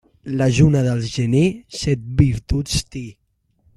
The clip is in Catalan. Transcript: La lluna del gener, set virtuts té.